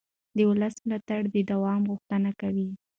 د ولس ملاتړ د دوام غوښتنه کوي